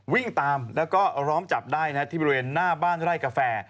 วิ่งตามแล้วก็ล้อมจับได้ที่บริเวณหน้าบ้านไร่กาแฟ